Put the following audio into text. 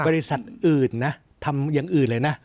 บริษัทอื่นนะทำอย่างอื่นเลยนะ